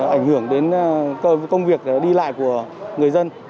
ảnh hưởng đến công việc đi lại của người dân